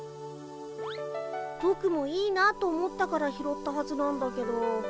ぼくもいいなと思ったから拾ったはずなんだけど。